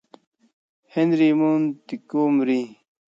- هنري مونټګومري :